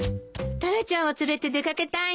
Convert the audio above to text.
タラちゃんを連れて出掛けたいの。